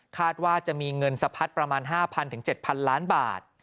ว่าจะมีเงินสะพัดประมาณ๕๐๐๗๐๐ล้านบาท